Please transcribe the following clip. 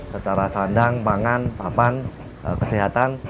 secara sandang pangan papan kesehatan